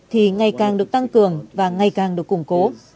thì ngày càng được tăng cường và ngày càng được củng cố